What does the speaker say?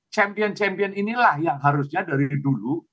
champion champion inilah yang harusnya dari dulu